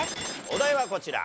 お題はこちら。